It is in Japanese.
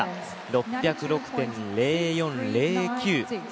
６０６．０４０９。